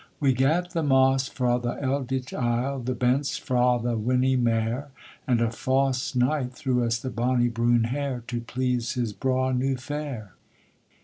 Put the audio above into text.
'We gat the moss fra' the elditch aile, The bents fra' the whinny muir, And a fause knight threw us the bonny broun hair, To please his braw new fere.'